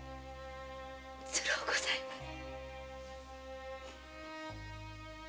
辛うございます。